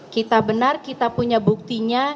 kita benar kita punya buktinya